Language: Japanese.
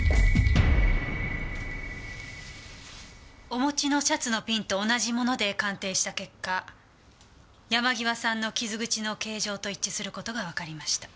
お持ちのシャツのピンと同じもので鑑定した結果山際さんの傷口の形状と一致する事がわかりました。